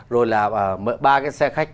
rồi là ba cái xe khách